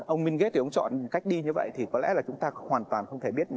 ông bill gates chọn cách đi như vậy thì có lẽ là chúng ta hoàn toàn không thể biết